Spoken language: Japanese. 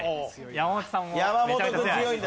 山本さんもめちゃめちゃ強い。